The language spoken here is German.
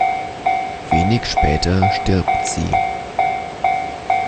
Wenig später stirbt sie.